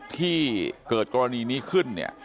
ที่เกิดกรณีนี้ขึ้น